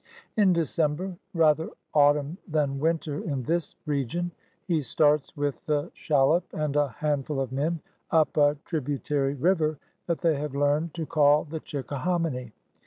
In December, rather autumn than winter in this region, he starts with the shallop and a handful of men up a tributary river that they have learned to call the Chickahominy.